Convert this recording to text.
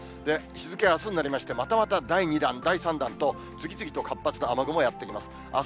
日付あすになりまして、またまた第２弾、第３弾と、次々と活発な雨雲やって来ます。